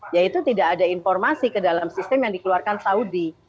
yaitu tidak ada informasi ke dalam sistem yang dikeluarkan saudi